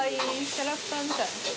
キャラクターみたい。